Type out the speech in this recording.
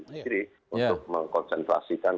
sendiri untuk mengkonsentrasikan